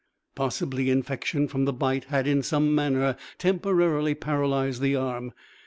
Possibly infection from the bite had in some manner temporarily paralyzed the arm.